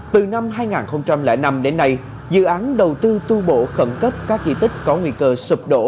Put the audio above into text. từ năm hai nghìn năm đến nay dự án đầu tư tu bổ khẩn cấp các di tích có nguy cơ sụp đổ